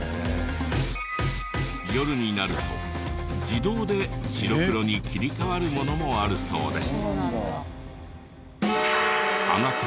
夜になると自動で白黒に切り替わるものもあるそうです。